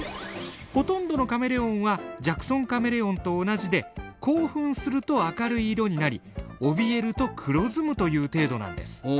ほとんどのカメレオンはジャクソンカメレオンと同じで興奮すると明るい色になりおびえると黒ずむという程度なんです。